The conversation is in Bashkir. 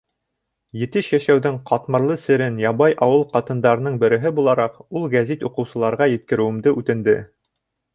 Етеш йәшәүҙең ҡатмарлы серен, ябай ауыл ҡатындарының береһе булараҡ, ул гәзит уҡыусыларға еткереүемде үтенде.